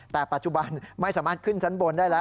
แต่ปัจจุบันไม่สามารถขึ้นชั้นบนได้แล้ว